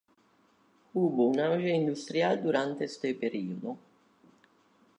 Hubo un auge industrial durante este periodo.